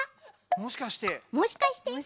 もしかして？